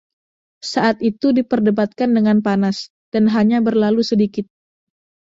Saat itu diperdebatkan dengan panas, dan hanya berlalu sedikit.